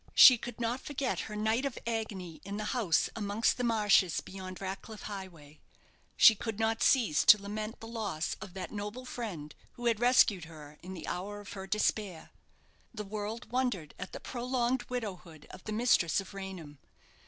She could not forget her night of agony in the house amongst the marshes beyond Ratcliff Highway; she could not cease to lament the loss of that noble friend who had rescued her in the hour of her despair. The world wondered at the prolonged widowhood of the mistress of Raynham.